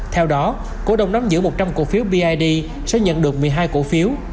theo đó cổ đồng nắm giữ một trăm linh cổ phiếu bid sẽ nhận được một mươi hai cổ phiếu